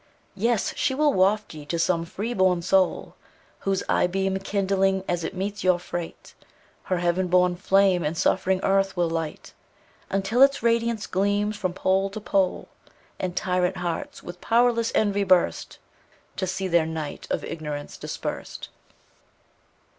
Yes! she will waft ye to some freeborn soul Whose eye beam, kindling as it meets your freight, _10 Her heaven born flame in suffering Earth will light, Until its radiance gleams from pole to pole, And tyrant hearts with powerless envy burst To see their night of ignorance dispersed.